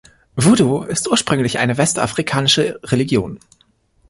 Voodoo ist eine ursprünglich westafrikanische Religion.